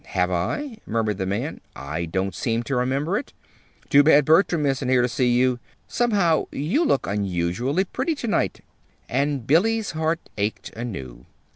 "Have I?" murmured the man. "I don't seem to remember it. Too bad Bertram isn't here to see you. Somehow, you look unusually pretty to night." And Billy's heart ached anew.